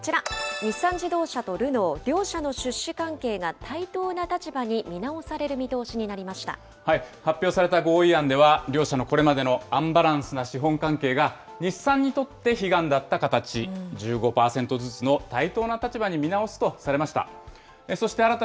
日産自動車とルノー、両社の出資関係が対等な立場に見直される見発表された合意案では、両社のこれまでのアンバランスな資本関係が、日産にとって悲願だった形、１５％ずつの対等な立場に見直すとされました。